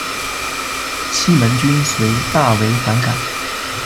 西门君遂大为反感。